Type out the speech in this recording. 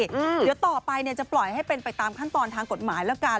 เดี๋ยวต่อไปเนี่ยจะปล่อยให้เป็นไปตามขั้นตอนทางกฎหมายแล้วกัน